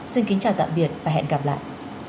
xin kính chào tạm biệt và hẹn gặp lại